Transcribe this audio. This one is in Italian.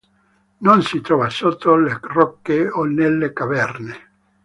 Non si trova sotto le rocce o nelle caverne.